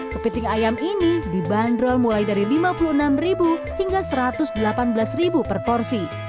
kepiting ayam ini dibanderol mulai dari rp lima puluh enam hingga rp satu ratus delapan belas per porsi